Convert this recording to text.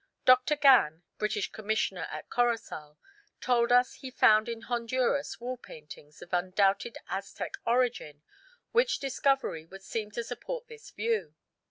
Dr. Gann, British Commissioner at Corosal, told us he found in Honduras wall paintings of undoubted Aztec origin; which discovery would seem to support this view.